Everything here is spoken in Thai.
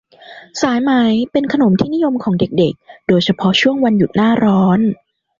สายไหมเป็นขนมที่นิยมของเด็ก ๆ โดยเฉพาะช่วงวันหยุดหน้าร้อน